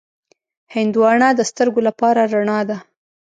هندوانه د سترګو لپاره رڼا ده.